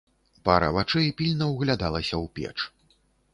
Пара вачэй пільна ўглядалася ў печ.